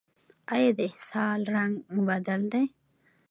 ایا د اسهال رنګ بدل دی؟